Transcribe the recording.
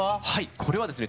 これはですね